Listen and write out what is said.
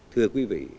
thưa quý vị